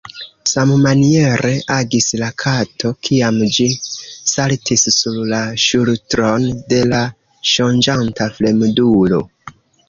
Sammaniere agis la kato, kiam ĝi saltis sur la ŝultron de la sonĝanta fremdulo.